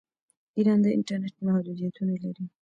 ایران د انټرنیټ محدودیتونه لري.